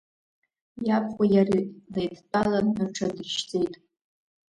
Иабхәеи иареи леидтәалан, рҽадыршьӡеит.